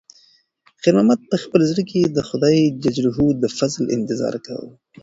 خیر محمد په خپل زړه کې د خدای د فضل انتظار کاوه.